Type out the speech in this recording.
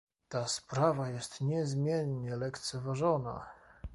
Ta sprawa jest niezmiennie lekceważona